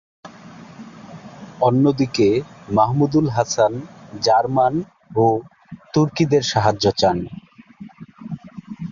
অন্যদিকে মাহমুদুল হাসান জার্মান ও তুর্কিদের সাহায্য চান।